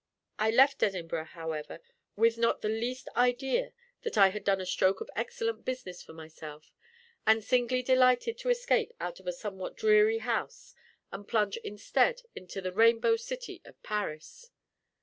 I left Edinburgh, however, with not the least idea that I had done a stroke of excellent business for myself, and singly delighted to escape out of a somewhat dreary house and plunge instead into the rainbow city of Paris.